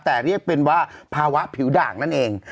แต่เรียกเป็นว่าภาวะผิวด่างนั่นเอง